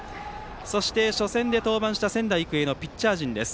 そして、初戦で登板した仙台育英のピッチャー陣です。